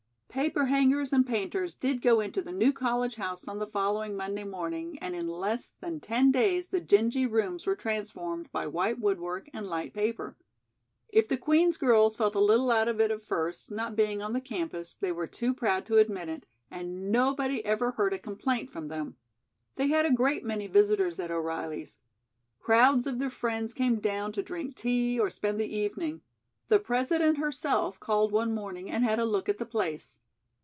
Paperhangers and painters did go into the new college house on the following Monday morning and in less than ten days the dingy rooms were transformed by white woodwork and light paper. If the Queen's girls felt a little out of it at first, not being on the campus, they were too proud to admit it, and nobody ever heard a complaint from them. They had a great many visitors at O'Reilly's. Crowds of their friends came down to drink tea or spend the evening. The President herself called one morning and had a look at the place.